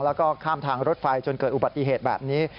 แล้วก็ข้ามทางรถไฟจนเกิดอุบัติเหตุแบบนี้